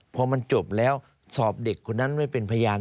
พอมันจบแล้วสอบเด็กคนนั้นไว้เป็นพยาน